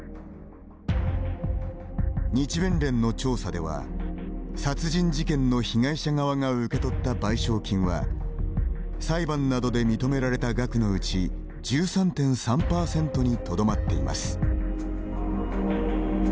日弁連の調査では殺人事件の被害者側が受け取った賠償金は裁判などで認められた額のうち１３．３％にとどまっています。